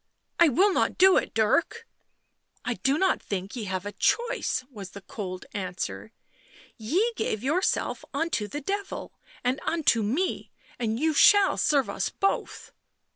I will not do it, Dirk !"" I do not think ye have a choice," was the cold answer. " Ye gave yourself unto the Devil and unto me — and you shall serve us both."